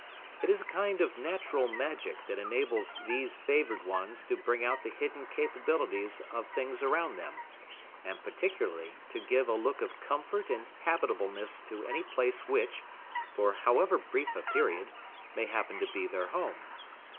It is a kind of natural magic that enables these favored ones to bring out the hidden capabilities of things around them; and particularly to give a look of comfort and habitableness to any place which, for however brief a period, may happen to be their home.